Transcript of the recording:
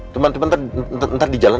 teman teman ntar di jalan